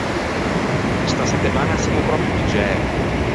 Sta settemaña semmo pròpio piggiæ!